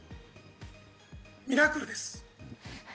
ミラクルです。